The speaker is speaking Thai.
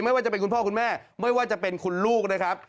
ไม่ว่าจะเป็นคุณพ่อคุณแม่ไม่ว่าจะเป็นคุณลูกนะครับ